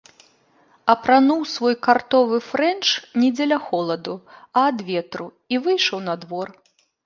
Апрануў свой картовы фрэнч не дзеля холаду, а ад ветру і выйшаў на двор.